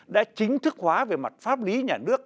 đã chính thức hóa về mặt pháp lý nhà nước